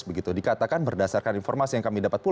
begitu dikatakan berdasarkan informasi yang kami dapatkan